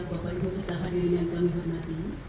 bapak ibu serta hadirin yang kami hormati